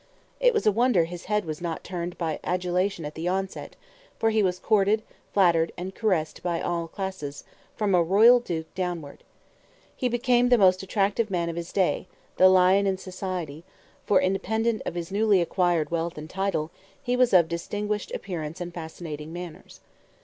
It was a wonder his head was not turned by adulation at the onset, for he was courted, flattered and caressed by all classes, from a royal duke downward. He became the most attractive man of his day, the lion in society; for independent of his newly acquired wealth and title, he was of distinguished appearance and fascinating manners.